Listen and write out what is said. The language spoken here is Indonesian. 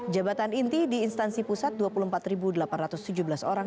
jabatan inti di instansi pusat dua puluh empat delapan ratus tujuh belas orang